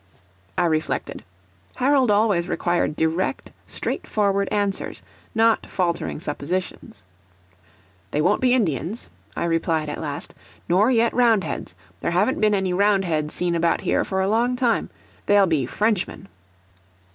I reflected. Harold always required direct, straightforward answers not faltering suppositions. "They won't be Indians," I replied at last; "nor yet Roundheads. There haven't been any Roundheads seen about here for a long time. They'll be Frenchmen."